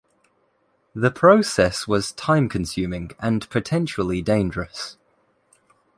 The process was time-consuming and potentially dangerous.